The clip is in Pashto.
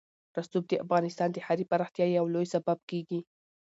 رسوب د افغانستان د ښاري پراختیا یو لوی سبب کېږي.